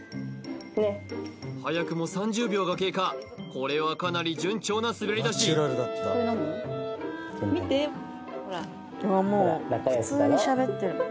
早くも３０秒が経過これはかなり順調な滑り出しほら